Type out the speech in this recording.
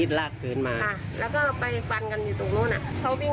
ฟันแหละก็ตกใจมันการสั่น